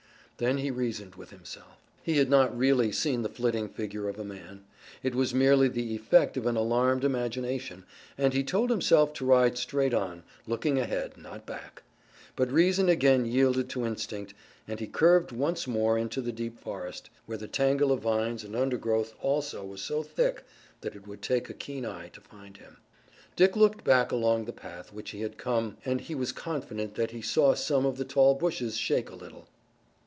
Then he reasoned with himself. He had not really seen the flitting figure of a man. It was merely the effect of an alarmed imagination, and he told himself to ride straight on, looking ahead, not back. But reason again yielded to instinct and he curved once more into the deep forest, where the tangle of vines and undergrowth also was so thick that it would take a keen eye to find him. Dick looked back along the path which he had come and he was confident that he saw some of the tall bushes shake a little.